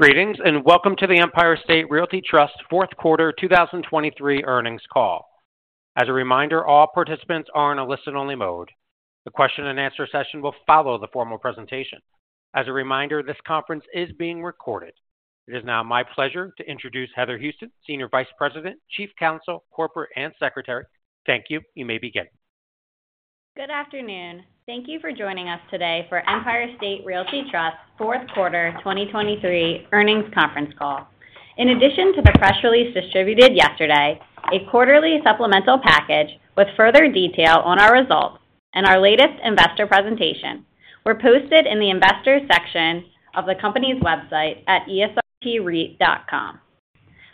Greetings and welcome to the Empire State Realty Trust fourth quarter 2023 earnings call. As a reminder, all participants are in a listen-only mode. The question-and-answer session will follow the formal presentation. As a reminder, this conference is being recorded. It is now my pleasure to introduce Heather Houston, Senior Vice President, Chief Counsel, Corporate and Secretary. Thank you. You may begin. Good afternoon. Thank you for joining us today for Empire State Realty Trust fourth quarter 2023 earnings conference call. In addition to the press release distributed yesterday, a quarterly supplemental package with further detail on our results and our latest investor presentation were posted in the investors section of the company's website at esrtreit.com.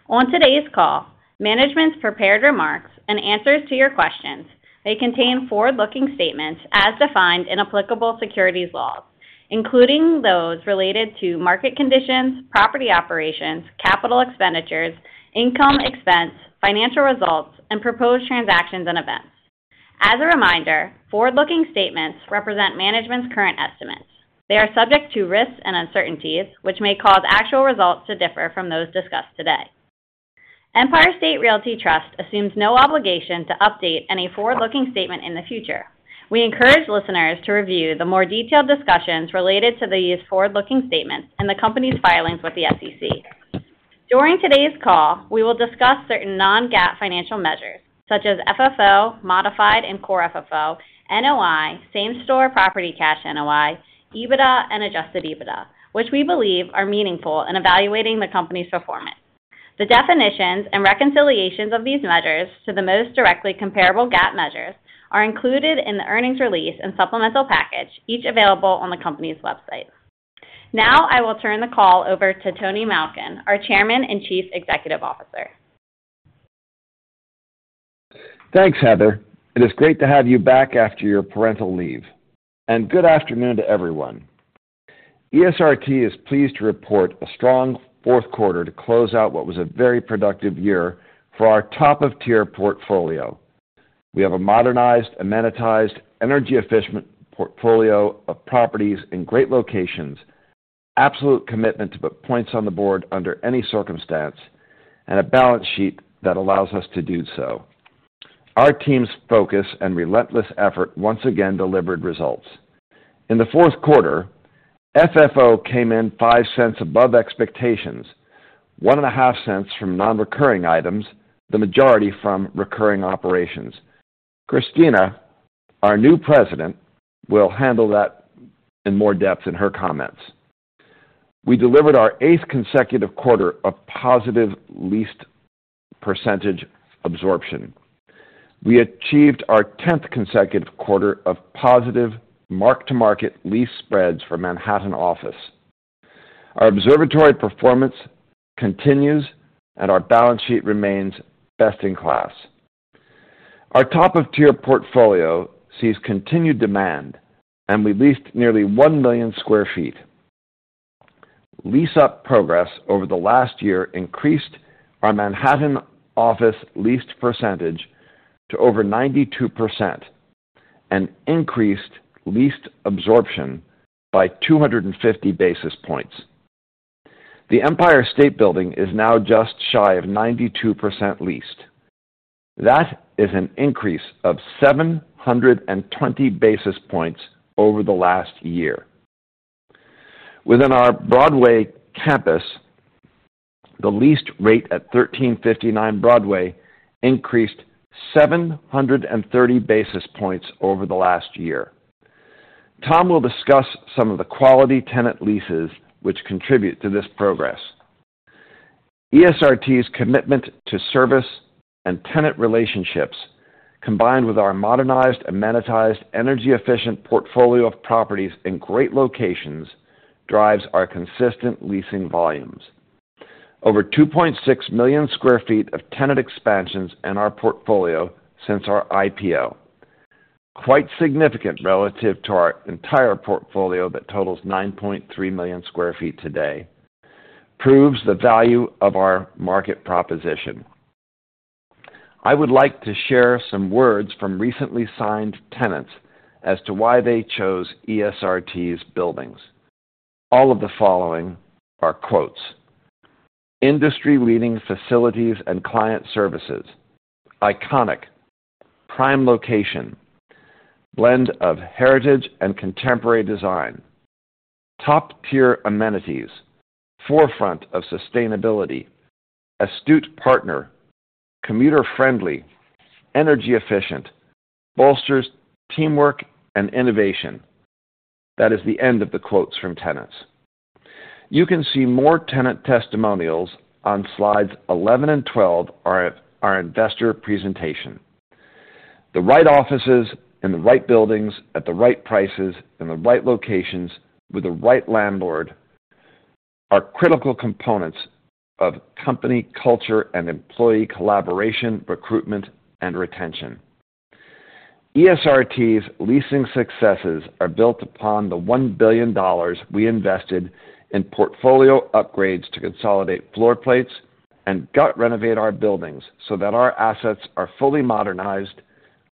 On today's call, management's prepared remarks and answers to your questions. They contain forward-looking statements as defined in applicable securities laws, including those related to market conditions, property operations, capital expenditures, income expense, financial results, and proposed transactions and events. As a reminder, forward-looking statements represent management's current estimates. They are subject to risks and uncertainties, which may cause actual results to differ from those discussed today. Empire State Realty Trust assumes no obligation to update any forward-looking statement in the future. We encourage listeners to review the more detailed discussions related to these forward-looking statements and the company's filings with the SEC. During today's call, we will discuss certain non-GAAP financial measures, such as FFO, Modified and Core FFO, NOI, same-store property cash NOI, EBITDA, and Adjusted EBITDA, which we believe are meaningful in evaluating the company's performance. The definitions and reconciliations of these measures to the most directly comparable GAAP measures are included in the earnings release and supplemental package, each available on the company's website. Now I will turn the call over to Tony Malkin, our Chairman and Chief Executive Officer. Thanks, Heather. It is great to have you back after your parental leave, and good afternoon to everyone. ESRT is pleased to report a strong fourth quarter to close out what was a very productive year for our top-of-tier portfolio. We have a modernized, amenitized, energy-efficient portfolio of properties in great locations, absolute commitment to put points on the board under any circumstance, and a balance sheet that allows us to do so. Our team's focus and relentless effort once again delivered results. In the fourth quarter, FFO came in $0.05 above expectations, $0.015 from non-recurring items, the majority from recurring operations. Christina, our new president, will handle that in more depth in her comments. We delivered our eighth consecutive quarter of positive lease percentage absorption. We achieved our 10th consecutive quarter of positive mark-to-market lease spreads for Manhattan office. Our observatory performance continues, and our balance sheet remains best in class. Our top-of-tier portfolio sees continued demand, and we leased nearly 1 million sq ft. Lease-up progress over the last year increased our Manhattan office leased percentage to over 92% and increased leased absorption by 250 basis points. The Empire State Building is now just shy of 92% leased. That is an increase of 720 basis points over the last year. Within our Broadway campus, the leased rate at 1359 Broadway increased 730 basis points over the last year. Tom will discuss some of the quality tenant leases which contribute to this progress. ESRT's commitment to service and tenant relationships, combined with our modernized, amenitized, energy-efficient portfolio of properties in great locations, drives our consistent leasing volumes: over 2.6 million sq ft of tenant expansions in our portfolio since our IPO. Quite significant relative to our entire portfolio that totals 9.3 million sq ft today, proves the value of our market proposition. I would like to share some words from recently signed tenants as to why they chose ESRT's buildings. All of the following are quotes: "Industry-leading facilities and client services. Iconic. Prime location. Blend of heritage and contemporary design. Top-tier amenities. Forefront of sustainability. Astute partner. Commuter-friendly. Energy-efficient. Bolsters teamwork and innovation." That is the end of the quotes from tenants. You can see more tenant testimonials on slides 11 and 12 of our investor presentation. The right offices in the right buildings at the right prices in the right locations with the right landlord are critical components of company culture and employee collaboration, recruitment, and retention. ESRT's leasing successes are built upon the $1 billion we invested in portfolio upgrades to consolidate floor plates and gut-renovate our buildings so that our assets are fully modernized,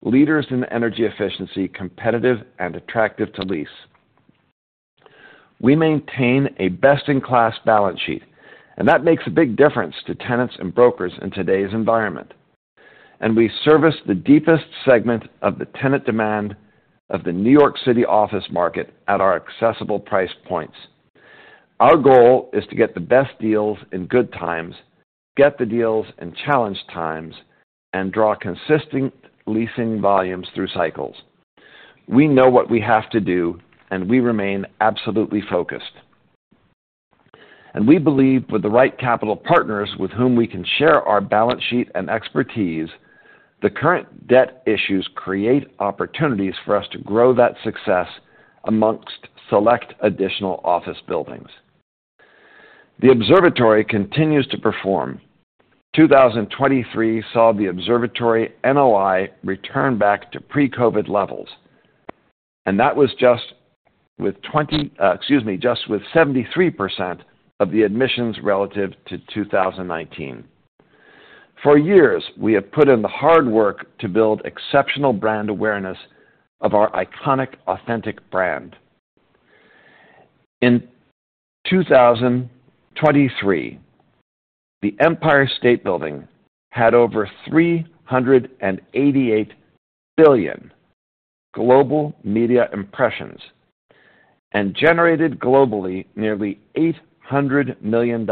leaders in energy efficiency, competitive, and attractive to lease. We maintain a best-in-class balance sheet, and that makes a big difference to tenants and brokers in today's environment. We service the deepest segment of the tenant demand of the New York City office market at our accessible price points. Our goal is to get the best deals in good times, get the deals in challenged times, and draw consistent leasing volumes through cycles. We know what we have to do, and we remain absolutely focused. We believe, with the right capital partners with whom we can share our balance sheet and expertise, the current debt issues create opportunities for us to grow that success amongst select additional office buildings. The observatory continues to perform. 2023 saw the observatory NOI return back to pre-COVID levels, and that was just with 73% of the admissions relative to 2019. For years, we have put in the hard work to build exceptional brand awareness of our iconic, authentic brand. In 2023, the Empire State Building had over 388 billion global media impressions and generated globally nearly $800 million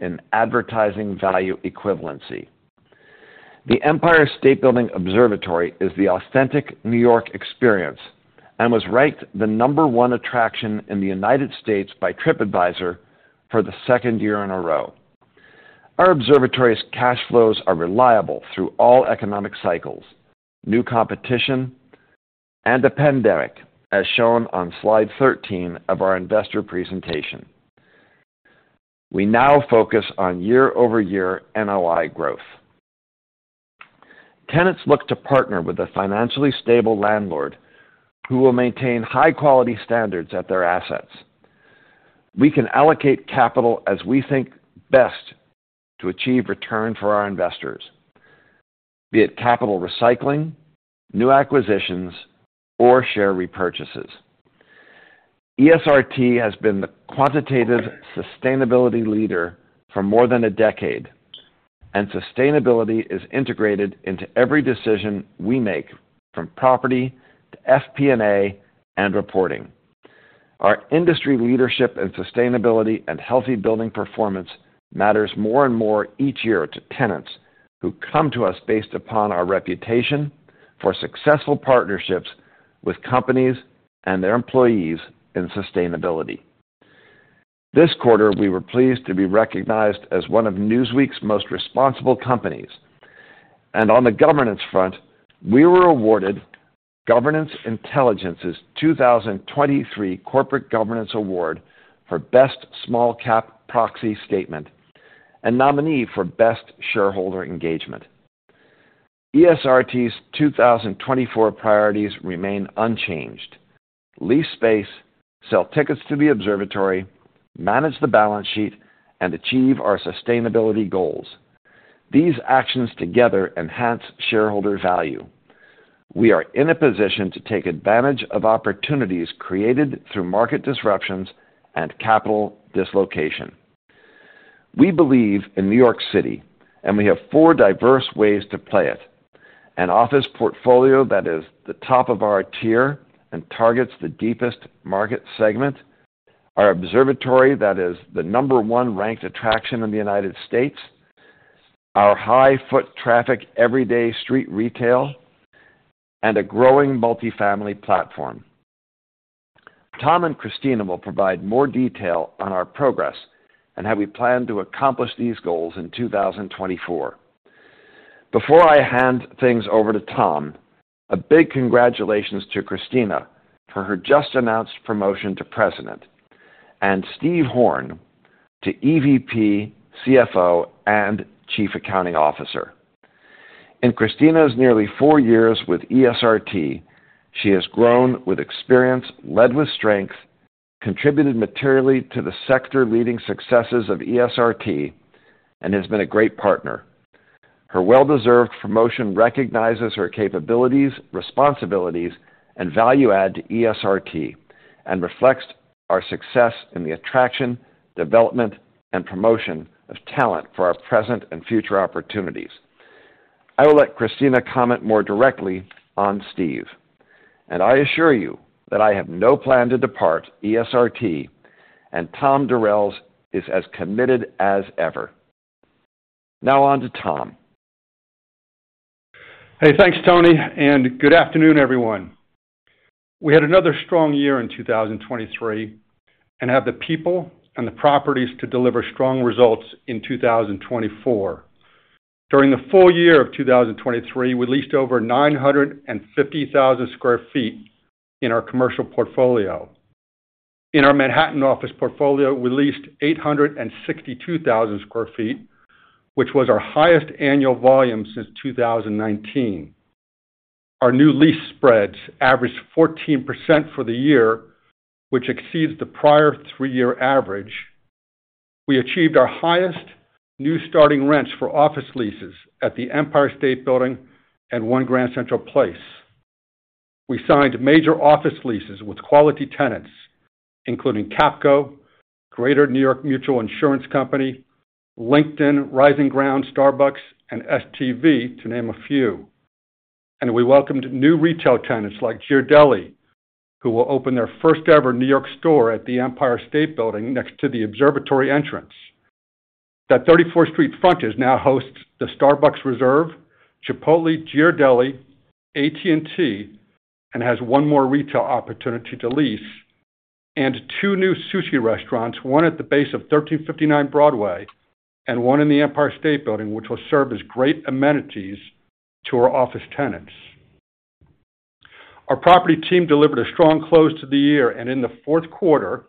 in advertising value equivalency. The Empire State Building Observatory is the authentic New York experience and was ranked the number one attraction in the United States by Tripadvisor for the second year in a row. Our observatory's cash flows are reliable through all economic cycles, new competition, and epidemic, as shown on slide 13 of our investor presentation. We now focus on year-over-year NOI growth. Tenants look to partner with a financially stable landlord who will maintain high-quality standards at their assets. We can allocate capital as we think best to achieve return for our investors, be it capital recycling, new acquisitions, or share repurchases. ESRT has been the quantitative sustainability leader for more than a decade, and sustainability is integrated into every decision we make, from property to FP&A and reporting. Our industry leadership in sustainability and healthy building performance matters more and more each year to tenants who come to us based upon our reputation for successful partnerships with companies and their employees in sustainability. This quarter, we were pleased to be recognized as one of Newsweek's most responsible companies. And on the governance front, we were awarded Governance Intelligence's 2023 Corporate Governance Award for Best Small Cap Proxy Statement and nominee for Best Shareholder Engagement. ESRT's 2024 priorities remain unchanged: lease space, sell tickets to the observatory, manage the balance sheet, and achieve our sustainability goals. These actions together enhance shareholder value. We are in a position to take advantage of opportunities created through market disruptions and capital dislocation. We believe in New York City, and we have four diverse ways to play it: an office portfolio that is the top of our tier and targets the deepest market segment, our observatory that is the number one ranked attraction in the United States, our high-foot-traffic everyday street retail, and a growing multifamily platform. Tom and Christina will provide more detail on our progress and how we plan to accomplish these goals in 2024. Before I hand things over to Tom, a big congratulations to Christina for her just-announced promotion to President, and Steve Horn to EVP, CFO, and Chief Accounting Officer. In Christina's nearly four years with ESRT, she has grown with experience, led with strength, contributed materially to the sector-leading successes of ESRT, and has been a great partner. Her well-deserved promotion recognizes her capabilities, responsibilities, and value add to ESRT and reflects our success in the attraction, development, and promotion of talent for our present and future opportunities. I will let Christina comment more directly on Steve. I assure you that I have no plan to depart ESRT, and Tom Durels is as committed as ever. Now on to Tom. Hey, thanks, Tony, and good afternoon, everyone. We had another strong year in 2023 and have the people and the properties to deliver strong results in 2024. During the full year of 2023, we leased over 950,000 sq ft in our commercial portfolio. In our Manhattan office portfolio, we leased 862,000 sq ft, which was our highest annual volume since 2019. Our new lease spreads averaged 14% for the year, which exceeds the prior three-year average. We achieved our highest new starting rents for office leases at the Empire State Building and One Grand Central Place. We signed major office leases with quality tenants, including Capco, Greater New York Mutual Insurance Company, LinkedIn, Rising Ground, Starbucks, and STV, to name a few. We welcomed new retail tenants like Ghirardelli, who will open their first-ever New York store at the Empire State Building next to the observatory entrance. That 34th Street front now hosts the Starbucks Reserve, Chipotle, Ghirardelli, AT&T, and has one more retail opportunity to lease, and two new sushi restaurants, one at the base of 1359 Broadway and one in the Empire State Building, which will serve as great amenities to our office tenants. Our property team delivered a strong close to the year, and in the fourth quarter,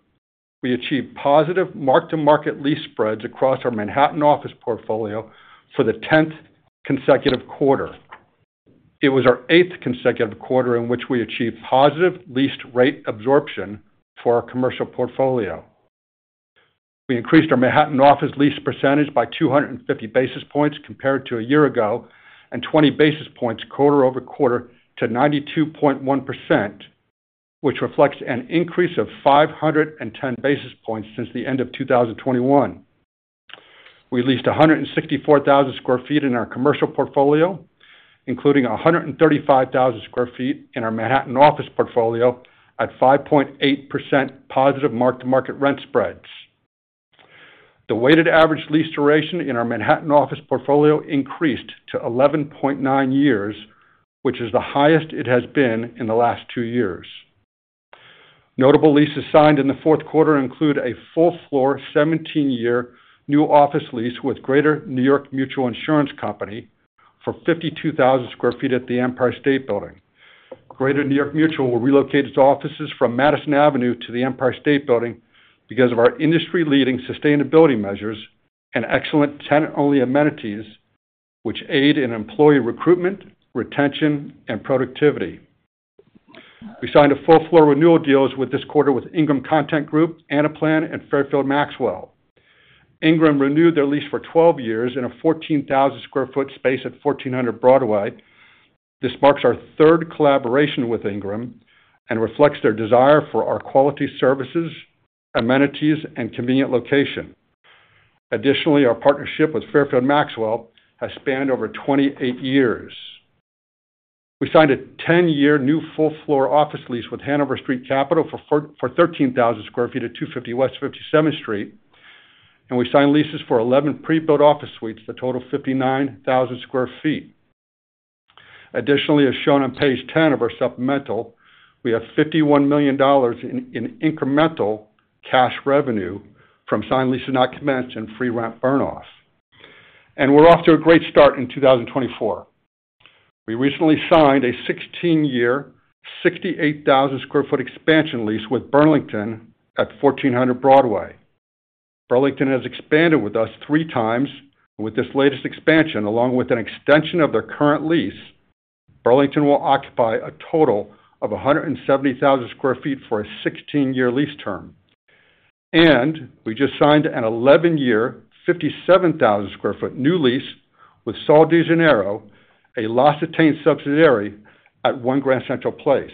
we achieved positive mark-to-market lease spreads across our Manhattan office portfolio for the tenth consecutive quarter. It was our eighth consecutive quarter in which we achieved positive leased rate absorption for our commercial portfolio. We increased our Manhattan office lease percentage by 250 basis points compared to a year ago and 20 basis points quarter over quarter to 92.1%, which reflects an increase of 510 basis points since the end of 2021. We leased 164,000 sq ft in our commercial portfolio, including 135,000 sq ft in our Manhattan office portfolio at 5.8% positive mark-to-market rent spreads. The weighted average lease duration in our Manhattan office portfolio increased to 11.9 years, which is the highest it has been in the last two years. Notable leases signed in the fourth quarter include a full-floor, 17-year new office lease with Greater New York Mutual Insurance Company for 52,000 sq ft at the Empire State Building. Greater New York Mutual will relocate its offices from Madison Avenue to the Empire State Building because of our industry-leading sustainability measures and excellent tenant-only amenities, which aid in employee recruitment, retention, and productivity. We signed a full-floor renewal deal this quarter with Ingram Content Group, Anaplan, and Fairfield Maxwell. Ingram renewed their lease for 12 years in a 14,000 sq ft space at 1400 Broadway. This marks our third collaboration with Ingram and reflects their desire for our quality services, amenities, and convenient location. Additionally, our partnership with Fairfield Maxwell has spanned over 28 years. We signed a 10-year new full-floor office lease with Hanover Street Capital for 13,000 sq ft at 250 West 57th Street, and we signed leases for 11 pre-built office suites to total 59,000 sq ft. Additionally, as shown on page 10 of our supplemental, we have $51 million in incremental cash revenue from signed leases not commenced and free rent burn-off. We're off to a great start in 2024. We recently signed a 16-year, 68,000 sq ft expansion lease with Burlington at 1400 Broadway. Burlington has expanded with us three times, and with this latest expansion, along with an extension of their current lease, Burlington will occupy a total of 170,000 sq ft for a 16-year lease term. We just signed an 11-year, 57,000 sq ft new lease with Sol de Janeiro, a L'Occitane subsidiary at One Grand Central Place.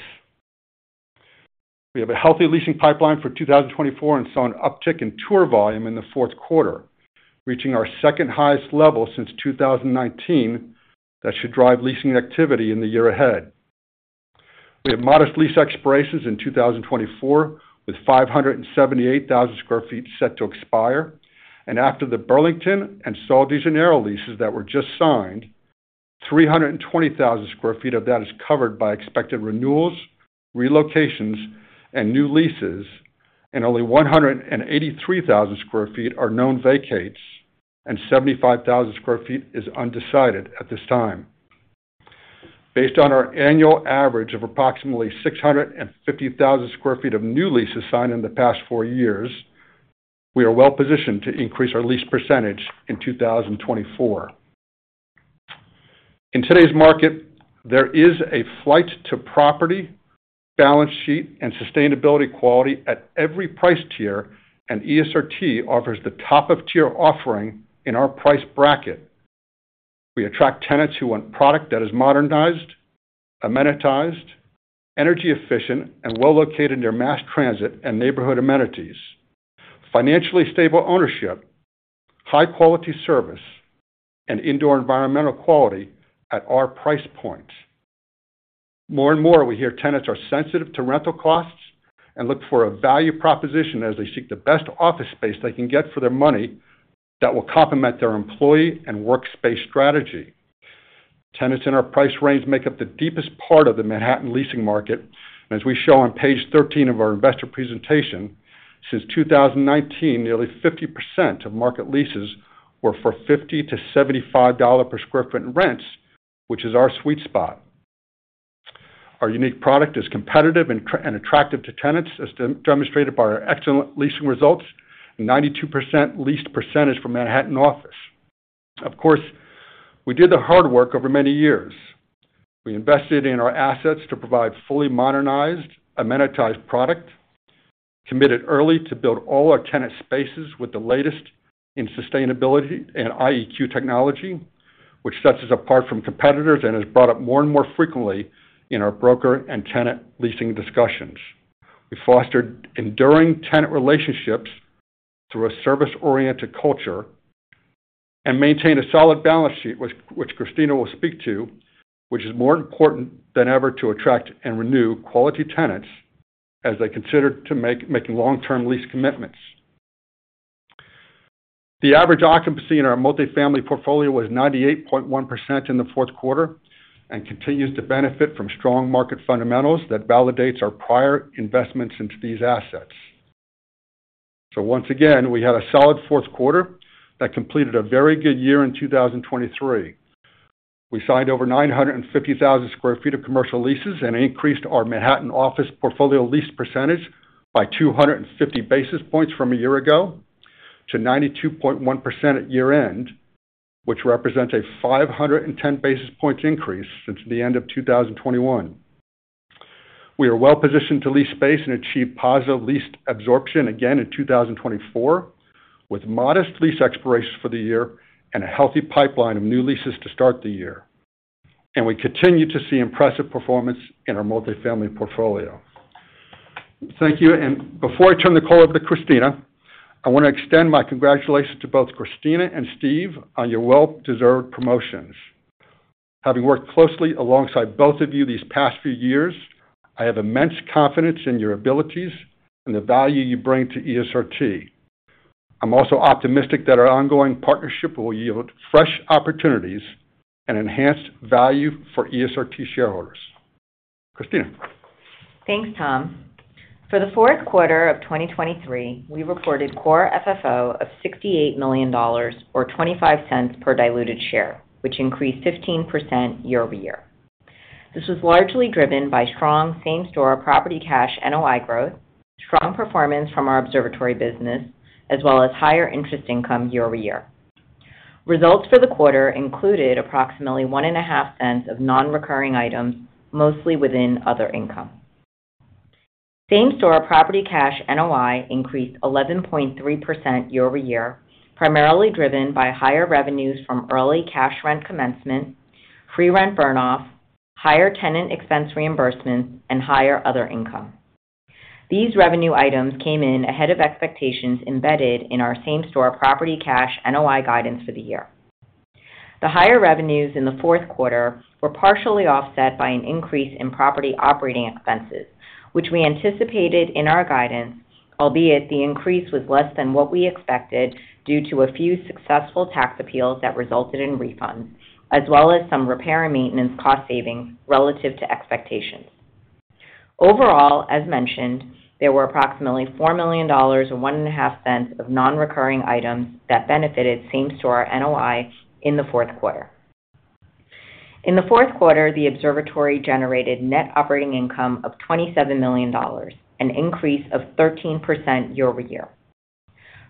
We have a healthy leasing pipeline for 2024 and saw an uptick in tour volume in the fourth quarter, reaching our second highest level since 2019 that should drive leasing activity in the year ahead. We have modest lease expirations in 2024 with 578,000 sq ft set to expire. After the Burlington and Sol de Janeiro leases that were just signed, 320,000 sq ft of that is covered by expected renewals, relocations, and new leases, and only 183,000 sq ft are known vacates, and 75,000 sq ft is undecided at this time. Based on our annual average of approximately 650,000 sq ft of new leases signed in the past four years, we are well positioned to increase our lease percentage in 2024. In today's market, there is a flight to property balance sheet and sustainability quality at every price tier, and ESRT offers the top-of-tier offering in our price bracket. We attract tenants who want product that is modernized, amenitized, energy-efficient, and well-located near mass transit and neighborhood amenities, financially stable ownership, high-quality service, and indoor environmental quality at our price point. More and more, we hear tenants are sensitive to rental costs and look for a value proposition as they seek the best office space they can get for their money that will complement their employee and workspace strategy. Tenants in our price range make up the deepest part of the Manhattan leasing market, and as we show on page 13 of our investor presentation, since 2019, nearly 50% of market leases were for $50-$75 per sq ft in rents, which is our sweet spot. Our unique product is competitive and attractive to tenants, as demonstrated by our excellent leasing results and 92% leased percentage for Manhattan office. Of course, we did the hard work over many years. We invested in our assets to provide fully modernized, amenitized product, committed early to build all our tenant spaces with the latest in sustainability and IEQ technology, which sets us apart from competitors and is brought up more and more frequently in our broker and tenant leasing discussions. We fostered enduring tenant relationships through a service-oriented culture and maintained a solid balance sheet, which Christina will speak to, which is more important than ever to attract and renew quality tenants as they consider making long-term lease commitments. The average occupancy in our multifamily portfolio was 98.1% in the fourth quarter and continues to benefit from strong market fundamentals that validate our prior investments into these assets. Once again, we had a solid fourth quarter that completed a very good year in 2023. We signed over 950,000 sq ft of commercial leases and increased our Manhattan office portfolio lease percentage by 250 basis points from a year ago to 92.1% at year-end, which represents a 510 basis points increase since the end of 2021. We are well positioned to lease space and achieve positive leased absorption again in 2024 with modest lease expirations for the year and a healthy pipeline of new leases to start the year. We continue to see impressive performance in our multifamily portfolio. Thank you. Before I turn the call over to Christina, I want to extend my congratulations to both Christina and Steve on your well-deserved promotions. Having worked closely alongside both of you these past few years, I have immense confidence in your abilities and the value you bring to ESRT. I'm also optimistic that our ongoing partnership will yield fresh opportunities and enhanced value for ESRT shareholders. Christina. Thanks, Tom. For the fourth quarter of 2023, we reported Core FFO of $68 million or $0.25 per diluted share, which increased 15% year-over-year. This was largely driven by strong same-store property cash NOI growth, strong performance from our observatory business, as well as higher interest income year-over-year. Results for the quarter included approximately $0.015 of non-recurring items, mostly within other income. Same-store property cash NOI increased 11.3% year-over-year, primarily driven by higher revenues from early cash rent commencement, free rent burn-off, higher tenant expense reimbursements, and higher other income. These revenue items came in ahead of expectations embedded in our same-store property cash NOI guidance for the year. The higher revenues in the fourth quarter were partially offset by an increase in property operating expenses, which we anticipated in our guidance, albeit the increase was less than what we expected due to a few successful tax appeals that resulted in refunds, as well as some repair and maintenance cost savings relative to expectations. Overall, as mentioned, there were approximately $4 million or $0.015 of non-recurring items that benefited same-store NOI in the fourth quarter. In the fourth quarter, the observatory generated net operating income of $27 million, an increase of 13% year-over-year.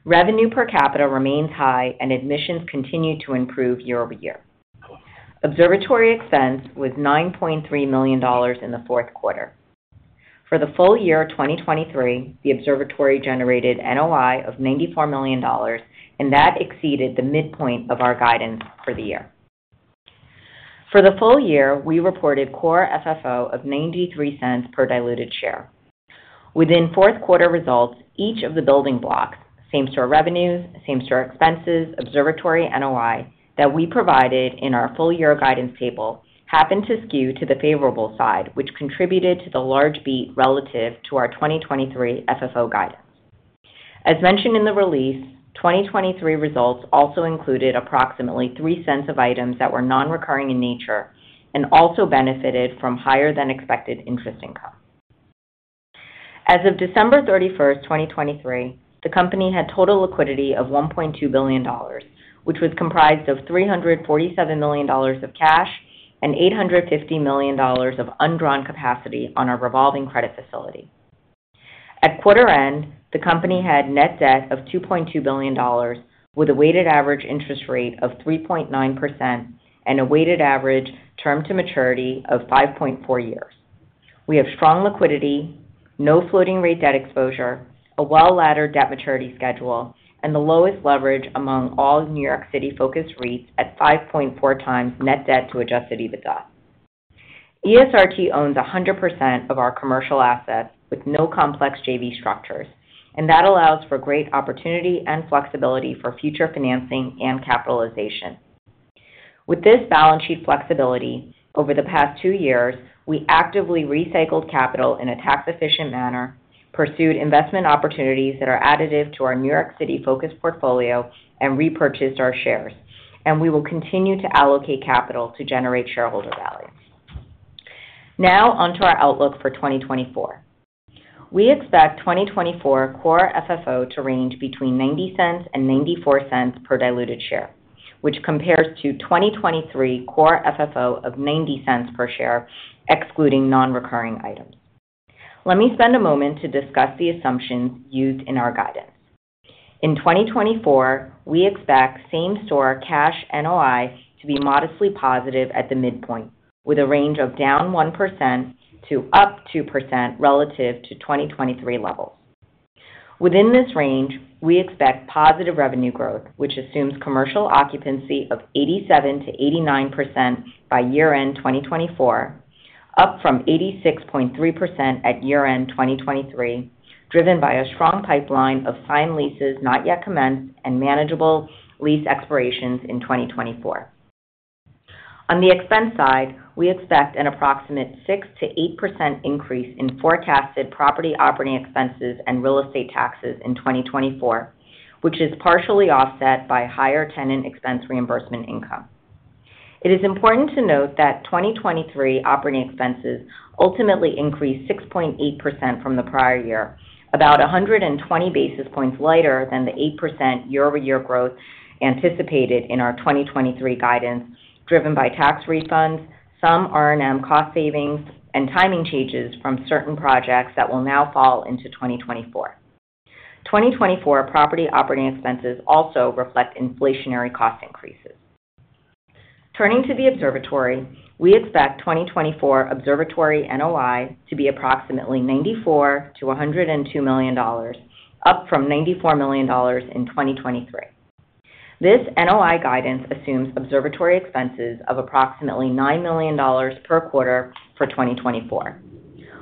Revenue per capita remains high, and admissions continue to improve year-over-year. Observatory expense was $9.3 million in the fourth quarter. For the full year 2023, the observatory generated NOI of $94 million, and that exceeded the midpoint of our guidance for the year. For the full year, we reported Core FFO of $0.93 per diluted share. Within fourth quarter results, each of the building blocks, same-store revenues, same-store expenses, observatory NOI, that we provided in our full-year guidance table happened to skew to the favorable side, which contributed to the large beat relative to our 2023 FFO guidance. As mentioned in the release, 2023 results also included approximately $0.03 of items that were non-recurring in nature and also benefited from higher-than-expected interest income. As of December 31st, 2023, the company had total liquidity of $1.2 billion, which was comprised of $347 million of cash and $850 million of undrawn capacity on our revolving credit facility. At quarter end, the company had net debt of $2.2 billion with a weighted average interest rate of 3.9% and a weighted average term to maturity of 5.4 years. We have strong liquidity, no floating-rate debt exposure, a well-laddered debt maturity schedule, and the lowest leverage among all New York City-focused REITs at 5.4 times net debt to Adjusted EBITDA. ESRT owns 100% of our commercial assets with no complex JV structures, and that allows for great opportunity and flexibility for future financing and capitalization. With this balance sheet flexibility, over the past two years, we actively recycled capital in a tax-efficient manner, pursued investment opportunities that are additive to our New York City-focused portfolio, and repurchased our shares. We will continue to allocate capital to generate shareholder value. Now onto our outlook for 2024. We expect 2024 Core FFO to range between $0.90 and $0.94 per diluted share, which compares to 2023 Core FFO of $0.90 per share, excluding non-recurring items. Let me spend a moment to discuss the assumptions used in our guidance. In 2024, we expect same-store cash NOI to be modestly positive at the midpoint, with a range of -1% to +2% relative to 2023 levels. Within this range, we expect positive revenue growth, which assumes commercial occupancy of 87%-89% by year-end 2024, up from 86.3% at year-end 2023, driven by a strong pipeline of signed leases not yet commenced and manageable lease expirations in 2024. On the expense side, we expect an approximate 6%-8% increase in forecasted property operating expenses and real estate taxes in 2024, which is partially offset by higher tenant expense reimbursement income. It is important to note that 2023 operating expenses ultimately increased 6.8% from the prior year, about 120 basis points lighter than the 8% year-over-year growth anticipated in our 2023 guidance, driven by tax refunds, some R&M cost savings, and timing changes from certain projects that will now fall into 2024. 2024 property operating expenses also reflect inflationary cost increases. Turning to the observatory, we expect 2024 observatory NOI to be approximately $94 million-$102 million, up from $94 million in 2023. This NOI guidance assumes observatory expenses of approximately $9 million per quarter for 2024.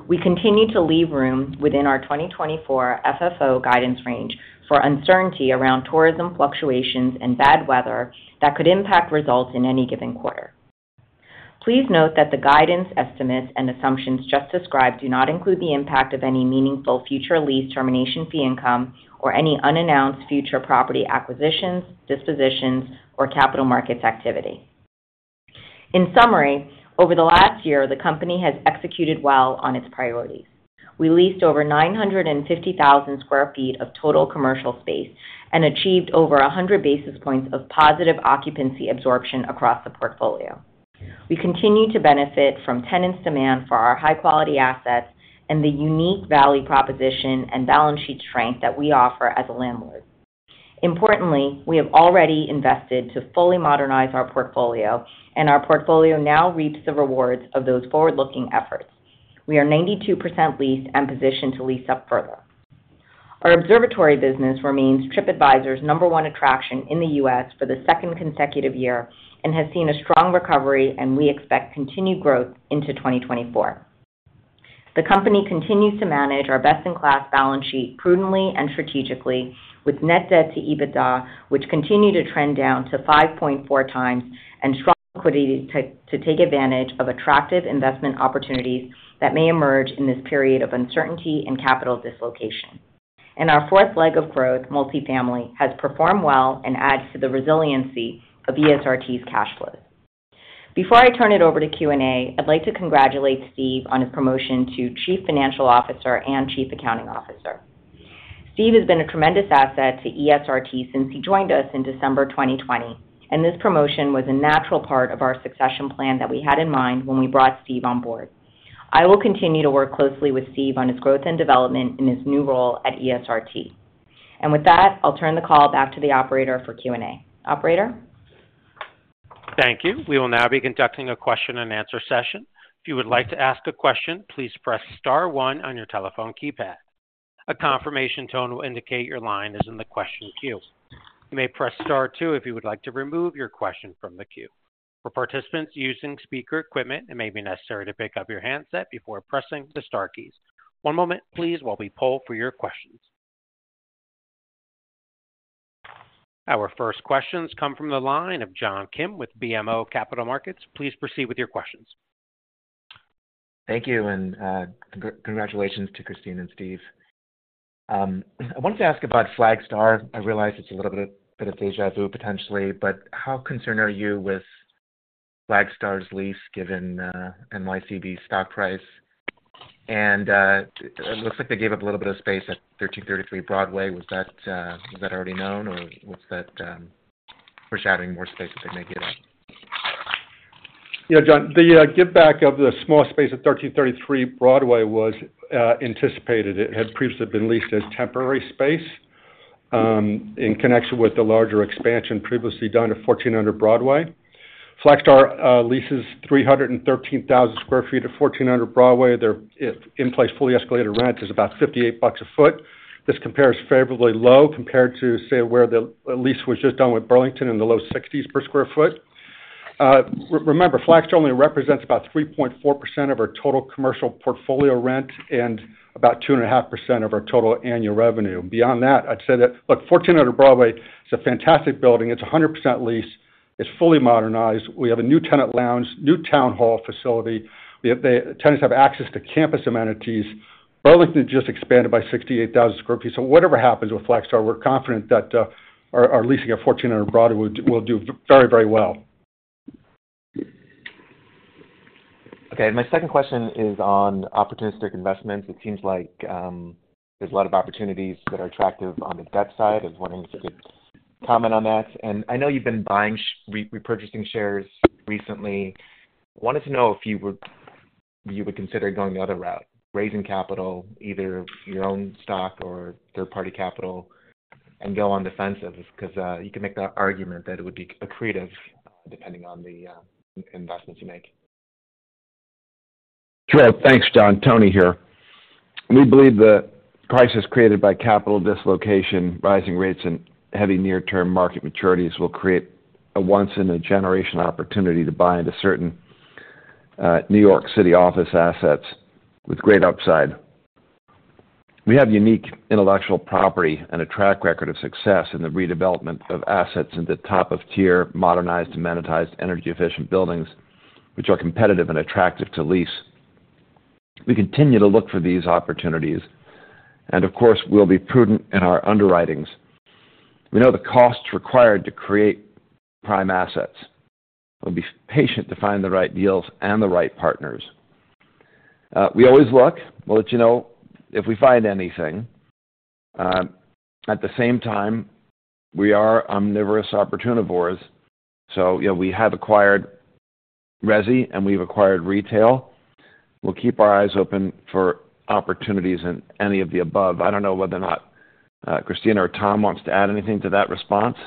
We continue to leave room within our 2024 FFO guidance range for uncertainty around tourism fluctuations and bad weather that could impact results in any given quarter. Please note that the guidance estimates and assumptions just described do not include the impact of any meaningful future lease termination fee income or any unannounced future property acquisitions, dispositions, or capital markets activity. In summary, over the last year, the company has executed well on its priorities. We leased over 950,000 sq ft of total commercial space and achieved over 100 basis points of positive occupancy absorption across the portfolio. We continue to benefit from tenants' demand for our high-quality assets and the unique value proposition and balance sheet strength that we offer as a landlord. Importantly, we have already invested to fully modernize our portfolio, and our portfolio now reaps the rewards of those forward-looking efforts. We are 92% leased and positioned to lease up further. Our observatory business remains Tripadvisor's number one attraction in the U.S. for the second consecutive year and has seen a strong recovery, and we expect continued growth into 2024. The company continues to manage our best-in-class balance sheet prudently and strategically, with net debt to EBITDA, which continued to trend down to 5.4 times, and strong liquidity to take advantage of attractive investment opportunities that may emerge in this period of uncertainty and capital dislocation. Our fourth leg of growth, multifamily, has performed well and adds to the resiliency of ESRT's cash flows. Before I turn it over to Q&A, I'd like to congratulate Steve on his promotion to Chief Financial Officer and Chief Accounting Officer. Steve has been a tremendous asset to ESRT since he joined us in December 2020, and this promotion was a natural part of our succession plan that we had in mind when we brought Steve on board. I will continue to work closely with Steve on his growth and development in his new role at ESRT. With that, I'll turn the call back to the operator for Q&A. Operator? Thank you. We will now be conducting a question-and-answer session. If you would like to ask a question, please press star one on your telephone keypad. A confirmation tone will indicate your line is in the question queue. You may press star two if you would like to remove your question from the queue. For participants using speaker equipment, it may be necessary to pick up your handset before pressing the star keys. One moment, please, while we poll for your questions. Our first questions come from the line of John Kim with BMO Capital Markets. Please proceed with your questions. Thank you. And congratulations to Christina and Steve. I wanted to ask about Flagstar. I realize it's a little bit of déjà vu, potentially, but how concerned are you with Flagstar's lease given NYCB's stock price? And it looks like they gave up a little bit of space at 1333 Broadway. Was that already known, or was that foreshadowing more space that they may give up? John, the give-back of the small space at 1333 Broadway was anticipated. It had previously been leased as temporary space in connection with the larger expansion previously done at 1400 Broadway. Flagstar leases 313,000 sq ft at 1400 Broadway. Their in-place fully escalated rent is about $58 a foot. This compares favorably low compared to, say, where the lease was just done with Burlington in the low $60s per sq ft. Remember, Flagstar only represents about 3.4% of our total commercial portfolio rent and about 2.5% of our total annual revenue. Beyond that, I'd say that, look, 1400 Broadway is a fantastic building. It's 100% leased. It's fully modernized. We have a new tenant lounge, new town hall facility. Tenants have access to campus amenities. Burlington just expanded by 68,000 sq ft. So whatever happens with Flagstar, we're confident that our leasing at 1400 Broadway will do very, very well. Okay. My second question is on opportunistic investments. It seems like there's a lot of opportunities that are attractive on the debt side. I was wondering if you could comment on that. I know you've been buying, repurchasing shares recently. Wanted to know if you would consider going the other route, raising capital, either your own stock or third-party capital, and go on the fence because you can make that argument that it would be accretive depending on the investments you make. Sure. Thanks, John. Tony here. We believe the crisis created by capital dislocation, rising rates, and heavy near-term market maturities will create a once-in-a-generation opportunity to buy into certain New York City office assets with great upside. We have unique intellectual property and a track record of success in the redevelopment of assets into top-of-tier, modernized, and amenitized energy-efficient buildings, which are competitive and attractive to lease. We continue to look for these opportunities. And of course, we'll be prudent in our underwritings. We know the costs required to create prime assets. We'll be patient to find the right deals and the right partners. We always look. We'll let you know if we find anything. At the same time, we are omnivorous opportunivores. So we have acquired resi, and we've acquired retail. We'll keep our eyes open for opportunities in any of the above. I don't know whether or not Christina or Tom wants to add anything to that response.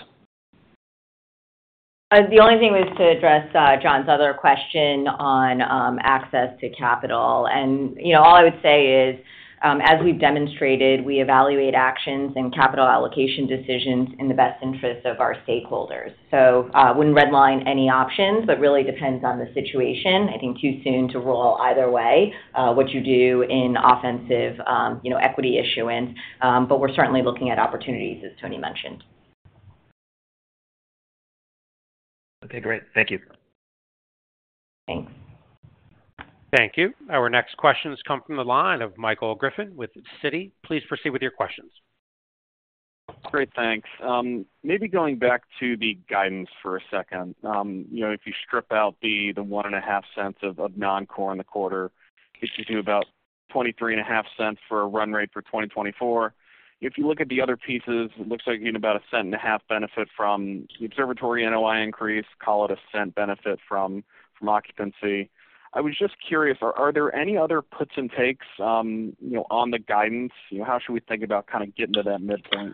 The only thing was to address John's other question on access to capital. All I would say is, as we've demonstrated, we evaluate actions and capital allocation decisions in the best interest of our stakeholders. I wouldn't redline any options, but it really depends on the situation. I think too soon to rule either way, what you do in offensive equity issuance. We're certainly looking at opportunities, as Tony mentioned. Okay. Great. Thank you. Thanks. Thank you. Our next questions come from the line of Michael Griffin with Citi. Please proceed with your questions. Great. Thanks. Maybe going back to the guidance for a second. If you strip out the $0.015 of non-core in the quarter, you should do about $0.235 for a run rate for 2024. If you look at the other pieces, it looks like you need about a $0.015 benefit from the observatory NOI increase, call it a $0.01 benefit from occupancy. I was just curious, are there any other puts and takes on the guidance? How should we think about kind of getting to that midpoint?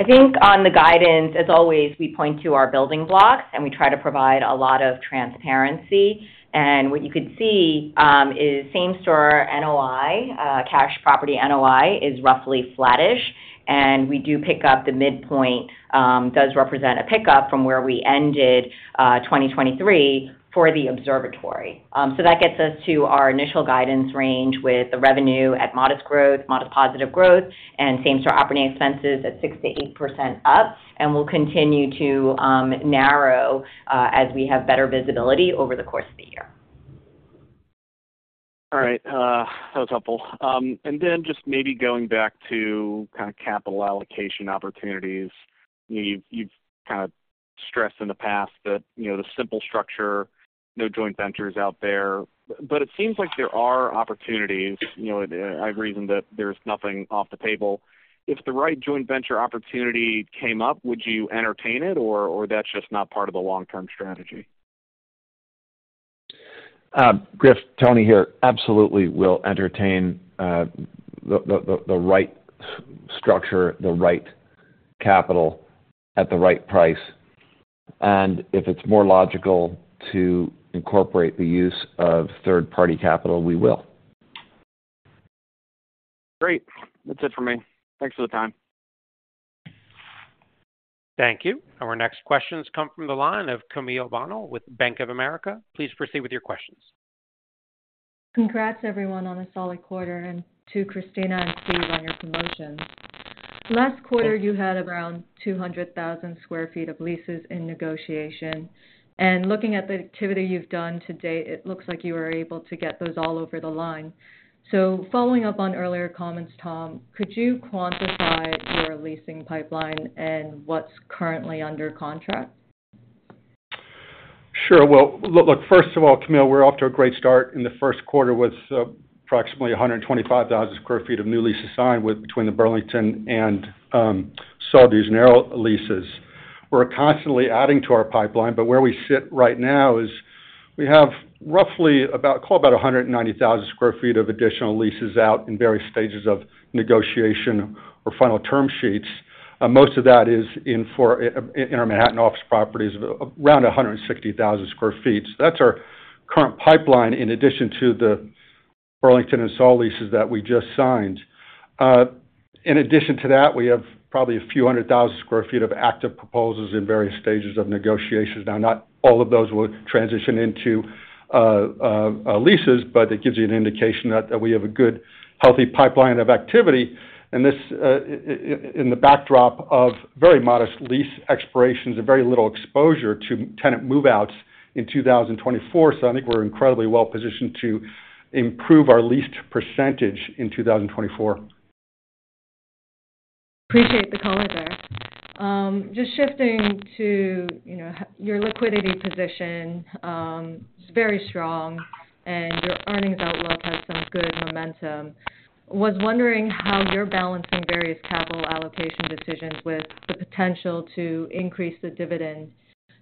I think on the guidance, as always, we point to our building blocks, and we try to provide a lot of transparency. And what you could see is same-store NOI, cash property NOI, is roughly flattish. And we do pick up the midpoint does represent a pickup from where we ended 2023 for the observatory. So that gets us to our initial guidance range with the revenue at modest growth, modest positive growth, and same-store operating expenses at 6%-8% up. And we'll continue to narrow as we have better visibility over the course of the year. All right. That was helpful. Then just maybe going back to kind of capital allocation opportunities, you've kind of stressed in the past that the simple structure, no joint ventures out there. It seems like there are opportunities. I reason that there's nothing off the table. If the right joint venture opportunity came up, would you entertain it, or that's just not part of the long-term strategy? Griff, Tony here. Absolutely, we'll entertain the right structure, the right capital at the right price. If it's more logical to incorporate the use of third-party capital, we will. Great. That's it for me. Thanks for the time. Thank you. Our next questions come from the line of Camille Bonnel with Bank of America. Please proceed with your questions. Congrats, everyone, on a solid quarter. And to Christina and Steve on your promotions. Last quarter, you had around 200,000 sq ft of leases in negotiation. And looking at the activity you've done to date, it looks like you were able to get those all over the line. Following up on earlier comments, Tom, could you quantify your leasing pipeline and what's currently under contract? Sure. Well, look, first of all, Camille, we're off to a great start. In the first quarter was approximately 125,000 sq ft of new lease assigned between the Burlington and Sol de Janeiro leases. We're constantly adding to our pipeline, but where we sit right now is we have roughly about 190,000 sq ft of additional leases out in various stages of negotiation or final term sheets. Most of that is in our Manhattan office properties, around 160,000 sq ft. So that's our current pipeline in addition to the Burlington and Sol de Janeiro leases that we just signed. In addition to that, we have probably a few hundred thousand sq ft of active proposals in various stages of negotiations. Now, not all of those will transition into leases, but it gives you an indication that we have a good, healthy pipeline of activity in the backdrop of very modest lease expirations and very little exposure to tenant move-outs in 2024. So I think we're incredibly well-positioned to improve our leased percentage in 2024. Appreciate the calling there. Just shifting to your liquidity position, it's very strong, and your earnings outlook has some good momentum. I was wondering how you're balancing various capital allocation decisions with the potential to increase the dividend.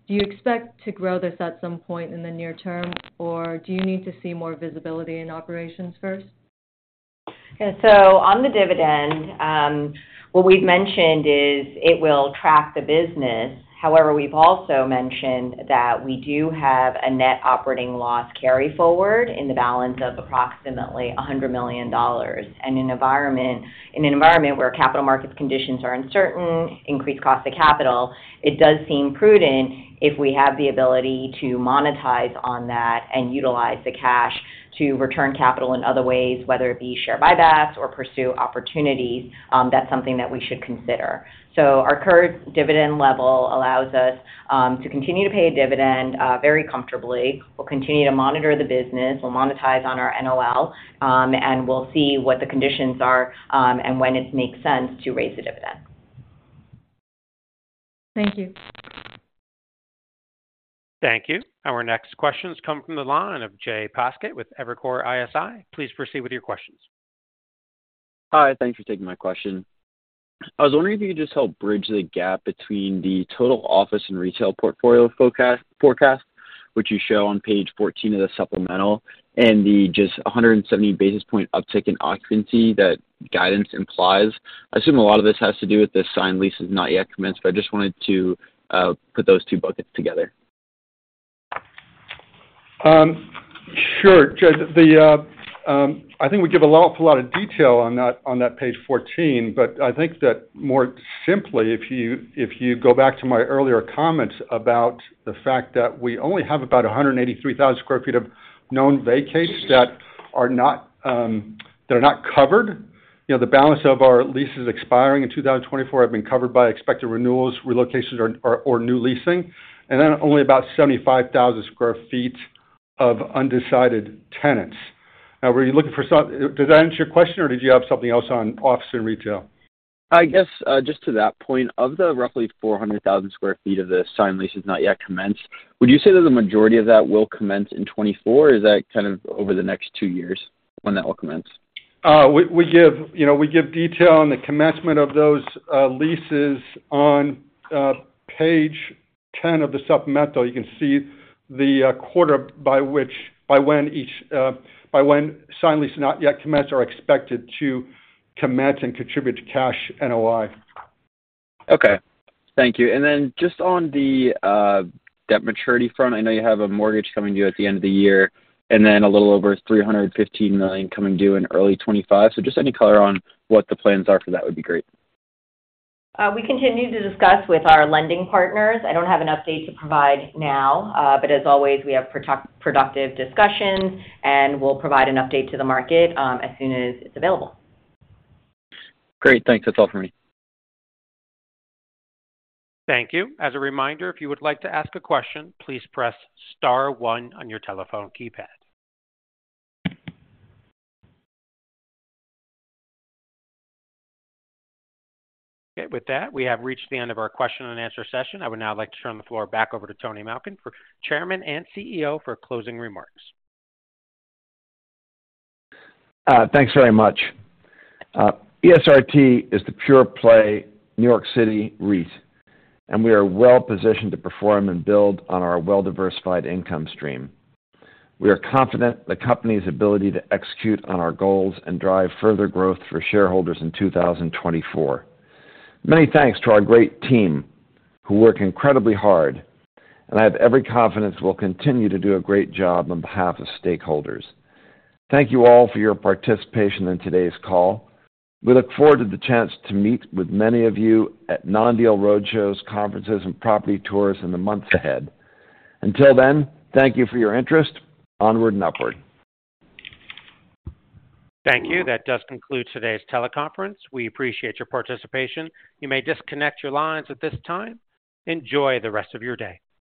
Do you expect to grow this at some point in the near term, or do you need to see more visibility in operations first? Yeah. So on the dividend, what we've mentioned is it will track the business. However, we've also mentioned that we do have a net operating loss carry forward in the balance of approximately $100 million. And in an environment where capital markets conditions are uncertain, increased cost of capital, it does seem prudent if we have the ability to monetize on that and utilize the cash to return capital in other ways, whether it be share buybacks or pursue opportunities. That's something that we should consider. So our current dividend level allows us to continue to pay a dividend very comfortably. We'll continue to monitor the business. We'll monetize on our NOL, and we'll see what the conditions are and when it makes sense to raise the dividend. Thank you. Thank you. Our next questions come from the line of Jay Poskitt with Evercore ISI. Please proceed with your questions. Hi. Thanks for taking my question. I was wondering if you could just help bridge the gap between the total office and retail portfolio forecast, which you show on page 14 of the supplemental, and the just 170 basis point uptick in occupancy that guidance implies. I assume a lot of this has to do with the signed lease is not yet commenced, but I just wanted to put those two buckets together. Sure, Jay. I think we give a lot of detail on that page 14, but I think that more simply, if you go back to my earlier comments about the fact that we only have about 183,000 sq ft of known vacates that are not covered, the balance of our leases expiring in 2024 have been covered by expected renewals, relocations, or new leasing, and then only about 75,000 sq ft of undecided tenants. Now, were you looking for? Does that answer your question, or did you have something else on office and retail? I guess just to that point, of the roughly 400,000 sq ft of the signed lease is not yet commenced, would you say that the majority of that will commence in 2024, or is that kind of over the next two years when that will commence? We give detail on the commencement of those leases on page 10 of the supplemental. You can see the quarter by when signed lease not yet commenced are expected to commence and contribute to cash NOI. Okay. Thank you. And then just on the debt maturity front, I know you have a mortgage coming due at the end of the year and then a little over $315 million coming due in early 2025. So just any color on what the plans are for that would be great. We continue to discuss with our lending partners. I don't have an update to provide now, but as always, we have productive discussions, and we'll provide an update to the market as soon as it's available. Great. Thanks. That's all for me. Thank you. As a reminder, if you would like to ask a question, please press star one on your telephone keypad. Okay. With that, we have reached the end of our question-and-answer session. I would now like to turn the floor back over to Tony Malkin for Chairman and CEO for closing remarks. Thanks very much. ESRT is the pure-play New York City REIT, and we are well-positioned to perform and build on our well-diversified income stream. We are confident in the company's ability to execute on our goals and drive further growth for shareholders in 2024. Many thanks to our great team who work incredibly hard, and I have every confidence we'll continue to do a great job on behalf of stakeholders. Thank you all for your participation in today's call. We look forward to the chance to meet with many of you at non-deal roadshows, conferences, and property tours in the months ahead. Until then, thank you for your interest. Onward and upward. Thank you. That does conclude today's teleconference. We appreciate your participation. You may disconnect your lines at this time. Enjoy the rest of your day.